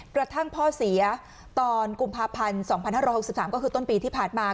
กระทั่งพ่อเสียตอนกุมภาพันธ์๒๕๖๓ก็คือต้นปีที่ผ่านมา